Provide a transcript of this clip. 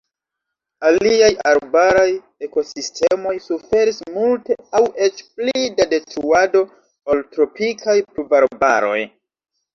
Aliaj arbaraj ekosistemoj suferis multe aŭ eĉ pli da detruado ol tropikaj pluvarbaroj.